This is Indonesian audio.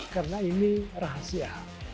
karena ini rahasia